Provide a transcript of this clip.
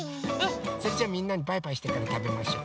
それじゃあみんなにバイバイしてからたべましょう。